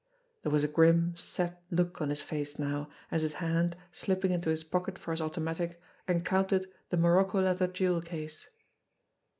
There was a grim, set look on his face now, as his hand, slipping into his pocket for his automatic, encountered the morocco leather jewel case.